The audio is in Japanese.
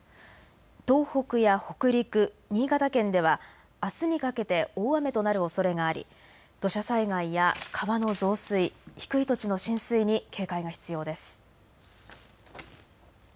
東北や北陸、新潟県ではあすにかけて大雨となるおそれがあり、土砂災害や川の増水、低い土地の浸水に警戒が必要です。